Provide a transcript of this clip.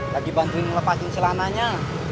lagi bantuin melepaskan silananya